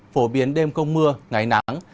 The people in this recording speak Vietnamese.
phổ biến đêm không mưa ngày nắng